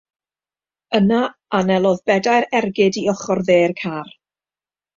Yna anelodd bedair ergyd i ochr dde'r car.